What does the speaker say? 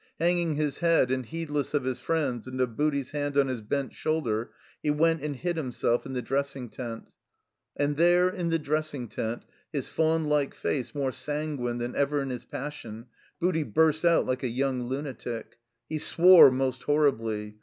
Hanging his head, and heedless of his friends, and of Booty's hand on his bent shoulder, he went and hid himself in the dressing tent. And there in the dressing tent, his fatmlike face more sanguine than ever in his passion. Booty burst out like a yotmg lunatic. He swore most horribly.